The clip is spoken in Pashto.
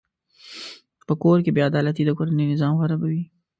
په کور کې بېعدالتي د کورنۍ نظام خرابوي.